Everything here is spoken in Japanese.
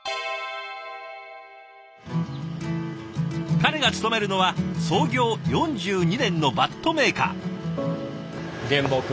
彼が勤めるのは創業４２年のバットメーカー。